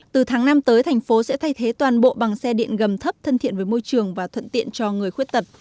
từ tháng năm tới thành phố sẽ thay thế toàn bộ bằng xe điện ngầm thấp thân thiện với môi trường và thuận tiện cho người khuyết tật